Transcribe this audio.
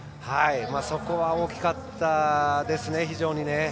そこは大きかったですね、非常に。